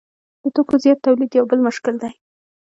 د توکو زیات تولید یو بل مشکل دی